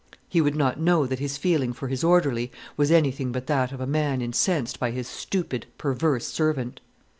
He would not know that his feeling for his orderly was anything but that of a man incensed by his stupid, perverse servant.